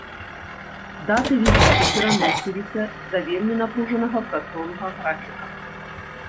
Даты візіту пераносіліся з-за вельмі напружанага працоўнага графіка.